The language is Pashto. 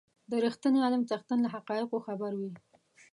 د رښتيني علم څښتن له حقایقو خبر وي.